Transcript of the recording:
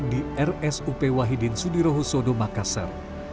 di rsup wahidin sudirohusodo makassar